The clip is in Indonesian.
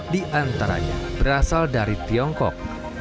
di antaranya berasal dari tiongkok